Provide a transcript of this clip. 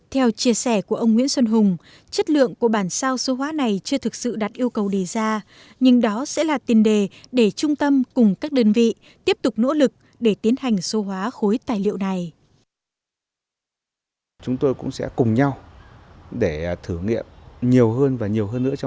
theo chia sẻ của ông nguyễn xuân hùng chất lượng của bản sao số hóa này chưa thực sự đạt yêu cầu đề ra nhưng đó sẽ là tiền đề để trung tâm cùng các đơn vị tiếp tục nỗ lực để tiến hành số hóa khối tài liệu này